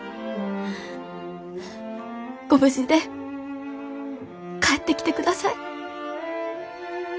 ご無事で帰ってきてください。